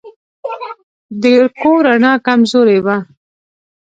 د کور رڼا کمزورې وه.